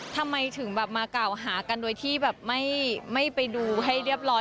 ทำไมถึงแบบมากล่าวหากันโดยที่แบบไม่ไปดูให้เรียบร้อย